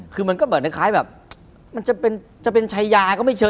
คือมันก็เหมือนคล้ายแบบมันจะเป็นชายาก็ไม่เชิง